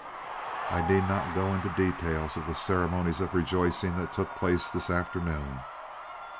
"I need not go into details of the ceremonies of rejoicing that took place this afternoon.